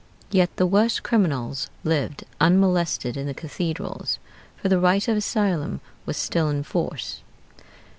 Yet the worst criminals lived unmolested in the cathedrals, for the "right of asylum" was still in force.